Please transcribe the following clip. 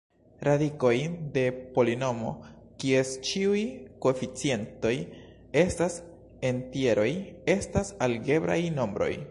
Radikoj de polinomo, kies ĉiuj koeficientoj estas entjeroj, estas algebraj nombroj.